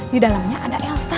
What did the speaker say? di dalamnya ada elsa